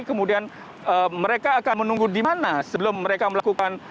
kemudian mereka akan menunggu di mana sebelum mereka melakukan